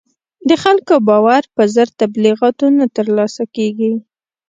د خلکو باور په زر تبلیغاتو نه تر لاسه کېږي.